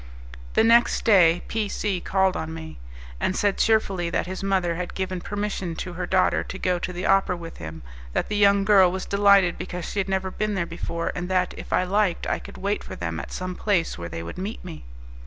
The next day P C called on me, and said cheerfully that his mother had given permission to her daughter to go to the opera with him, that the young girl was delighted because she had never been there before, and that, if I liked, I could wait for them at some place where they would meet me.